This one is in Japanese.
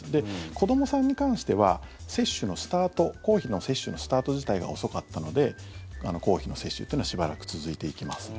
子どもさんに関しては接種のスタート公費の接種のスタート自体が遅かったので公費の接種というのはしばらく続いていきます。